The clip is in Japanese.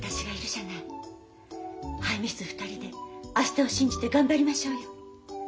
ハイミス２人で明日を信じて頑張りましょうよ。